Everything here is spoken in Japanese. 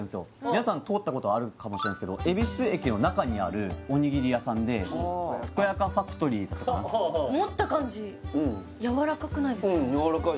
皆さん通ったことあるかもしれないですけど恵比寿駅の中にあるおにぎり屋さんですこやかファクトリーさん持った感じやわらかくないですか？